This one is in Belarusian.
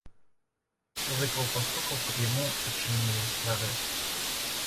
Зыкаў пастукаў, каб яму адчынілі прарэз.